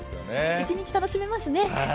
一日楽しめますね。